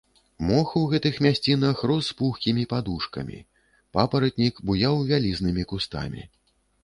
Мох у гэтых мясцінах рос пухкімі падушкамі, папаратнік буяў вялізнымі кустамі.